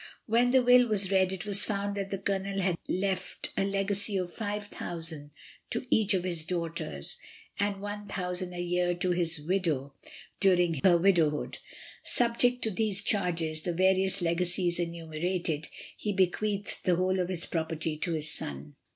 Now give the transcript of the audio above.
When the will was read, it was found that the Colonel had left a legacy of 5,000/. to each of his daughters, and 1,000/. a year to his widow during her widowhood. Subject to these charges, and various legacies enumerated, he bequeathed the whole of his property to his son.